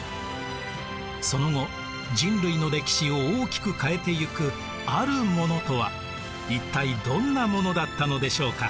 その後人類の歴史を大きく変えていくあるものとは一体どんなものだったのでしょうか？